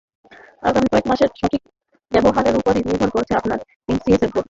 আগামী কয়েক মাসের সঠিক ব্যবহারের ওপরই নির্ভর করছে আপনার বিসিএসের ভবিষ্যৎ।